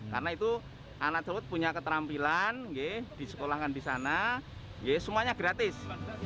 karena itu anak selut punya keterampilan disekolahkan di sana semuanya gratis